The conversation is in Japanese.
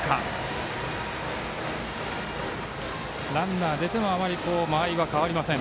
ランナー、出てもあまり間合いは変わりません。